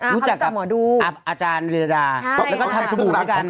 รู้จักกับอาจารย์ลีลาดาแล้วก็ทำสบู่ด้วยกันใช่ค่ะ